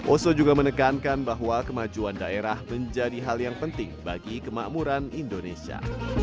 oso juga menekankan bahwa kemajuan daerah menjadi hal yang penting bagi kemakmuran indonesia